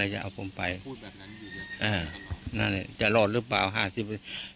ใช่เออนั่นจะหรือเปล่าห้าสิบ